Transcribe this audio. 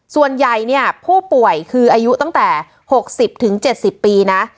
ส่วนใหญ่เนี่ยผู้ป่วยคืออายุตั้งแต่๖๐๗๐ปีนะ